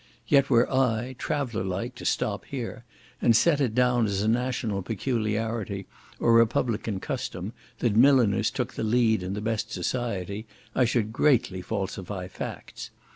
Yet were I, traveller like, to stop here, and set it down as a national peculiarity, or republican custom, that milliners took the lead in the best society, I should greatly falsify facts.